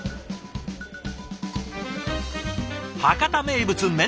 博多名物